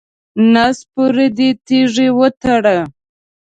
نس پورې دې تیږې وتړه.